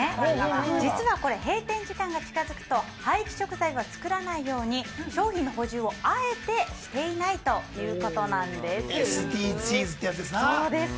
実はこれ閉店時間が近づくと廃棄食材を作らないように商品の補充をあえてＳＤＧｓってやつですな。